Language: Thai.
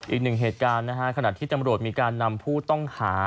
อีกหนึ่งเหตุการณ์นะฮะขณะที่ตำรวจมีการนำผู้ต้องหา